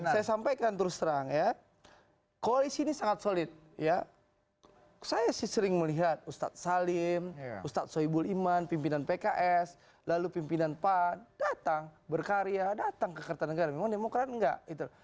saya sampaikan terus terang ya koalisi ini sangat solid ya saya sih sering melihat ustadz salim ustadz soebul iman pimpinan pks lalu pimpinan pan datang berkarya datang ke kertanegara memang demokrat enggak itu